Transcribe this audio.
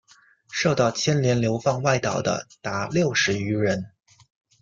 受到牵连流放外岛的达六十余人。